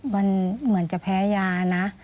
มันเหมือนจะแพ้ยานะ